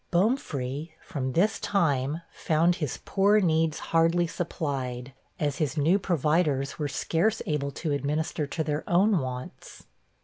Bomefree, from this time, found his poor needs hardly supplied, as his new providers were scarce able to administer to their own wants.